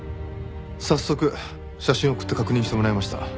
早速写真送って確認してもらいました。